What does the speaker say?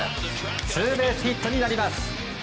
ツーベースヒットになります。